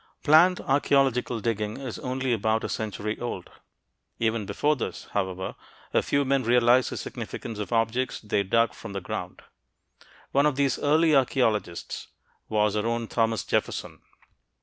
Planned archeological digging is only about a century old. Even before this, however, a few men realized the significance of objects they dug from the ground; one of these early archeologists was our own Thomas Jefferson.